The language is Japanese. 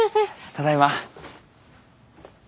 ただいま。